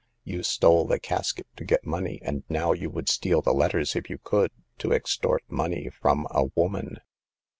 You stole the casket to get money, and now you would steal the letters, if you could, to extort money from a woman.